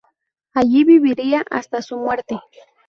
Allí viviría hasta su muerte.